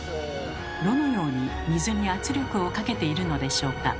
どのように水に圧力をかけているのでしょうか？